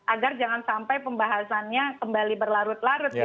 agar jangan sampai pembahasannya kembali berlarut larut